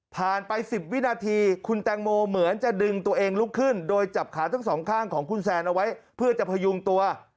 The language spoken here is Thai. ไป๑๐วินาทีคุณแตงโมเหมือนจะดึงตัวเองลุกขึ้นโดยจับขาทั้งสองข้างของคุณแซนเอาไว้เพื่อจะพยุงตัว